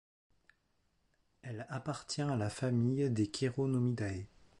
Elle appartient à la famille des Chironomidae.